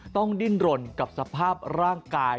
ต้องดิ้นรนกับสภาพร่างกาย